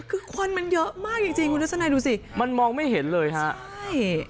คือควันมันเยอะมากจริงจริงคุณทัศนัยดูสิมันมองไม่เห็นเลยฮะใช่